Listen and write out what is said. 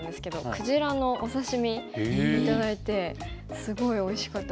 クジラのお刺身頂いてすごいおいしかったですね。